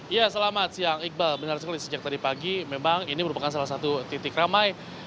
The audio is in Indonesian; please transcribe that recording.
ya selamat siang iqbal benar sekali sejak tadi pagi memang ini merupakan salah satu titik ramai